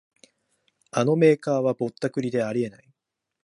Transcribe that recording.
あのメーカーはぼったくりであり得ない